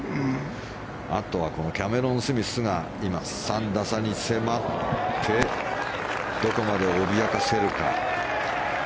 あとはキャメロン・スミスが今、３打差に迫ってどこまで脅かせるか。